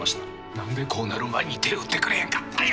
何でこうなる前に手打ってくれんかったんや。